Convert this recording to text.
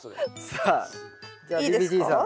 さあじゃあＶＧＧさん